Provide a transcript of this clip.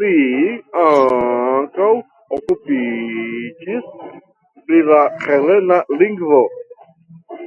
Li ankaŭ okupiĝis pri la helena lingvo.